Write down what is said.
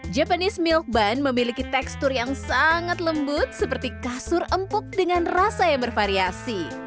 japanese milk bun memiliki tekstur yang sangat lembut seperti kasur empuk dengan rasa yang bervariasi